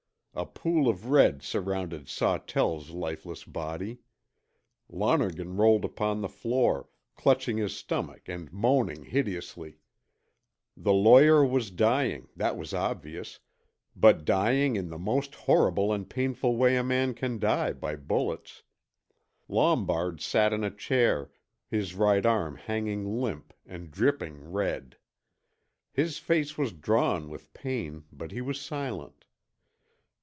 A pool of red surrounded Sawtell's lifeless body. Lonergan rolled upon the floor, clutching his stomach and moaning hideously. The lawyer was dying, that was obvious, but dying in the most horrible and painful way a man can die by bullets. Lombard sat in a chair, his right arm hanging limp and dripping red. His face was drawn with pain, but he was silent.